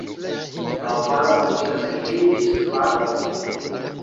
La ovaro konsistas el tri ĝis kvar ovoj.